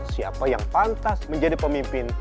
siapa yang pantas menjadi pemimpin